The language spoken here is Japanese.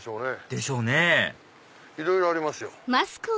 でしょうねいろいろありますよ。